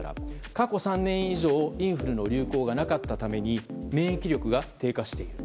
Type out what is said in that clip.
過去３年以上インフルの流行がなかったために免疫力が低下している。